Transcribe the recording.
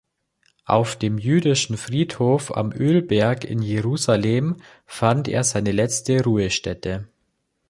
Auf dem Jüdischen Friedhof am Ölberg in Jerusalem fand er seine letzte Ruhestätte.